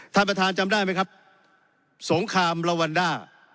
ท่านประธานจำได้ไหมครับสงครามลาวันด้า